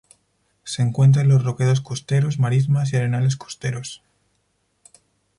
Se encuentra en los roquedos costeros, marismas y arenales costeros.